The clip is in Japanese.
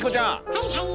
はいはい。